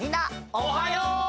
おはよう！